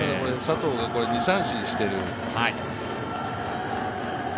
佐藤が２三振している。